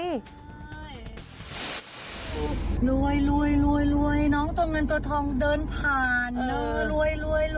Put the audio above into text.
รวยรวยน้องตัวเงินตัวทองเดินผ่านรวย